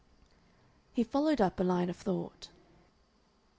He followed up a line of thought.